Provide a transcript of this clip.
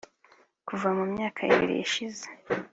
Kuva mu myaka ibiri ishize